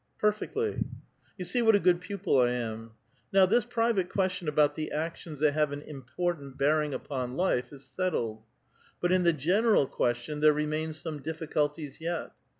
"'' Perfectly." " You see what a good pupil I am. Now this private question about the actions that have an important bearing upon life is settled. But in the general question there remain some difficulties yet.